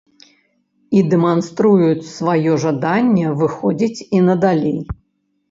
І дэманструюць сваё жаданне выходзіць і надалей.